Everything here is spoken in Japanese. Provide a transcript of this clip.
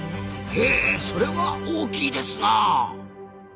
へえそれは大きいですな！